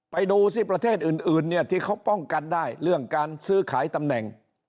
ไปดูซิประเทศอื่นเนี่ยที่เขาป้องกันได้เรื่องการซื้อขายตำแหน่ง